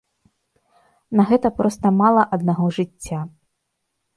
На гэта проста мала аднаго жыцця.